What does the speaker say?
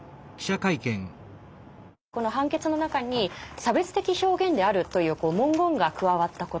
この判決の中に「差別的表現である」という文言が加わったこと。